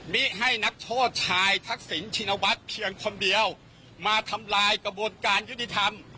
มิให้นักโทษชายทักษิณชินวัฒน์เพียงคนเดียวมาทำลายกระบวนการยุติธรรม